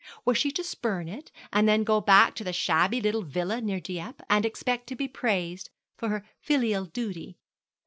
Was she to spurn it, and then go back to the shabby little villa near Dieppe, and expect to be praised for her filial duty?